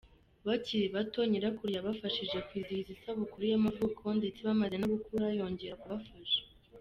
Bakiri bato, nyirakuru yabafashije kwizihiza isabukuru y'amavuko, ndetse bamaze no gukura yongera kubafasha.